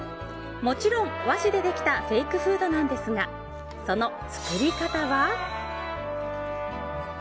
もちろん和紙でできたフェイクフードなんですがその作り方は。